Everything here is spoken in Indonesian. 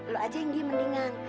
lo aja yang diem mendingan